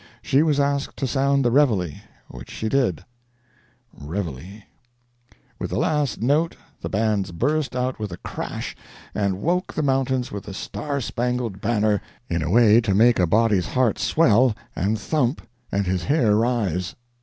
She was asked to sound the "reveille," which she did. [Picture: Reveille [music score]] With the last note the bands burst out with a crash: and woke the mountains with the "Star Spangled Banner" in a way to make a body's heart swell and thump and his hair rise!